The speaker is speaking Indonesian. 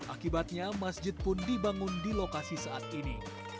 akibatnya masjid pun dibangun di lokasi saat ini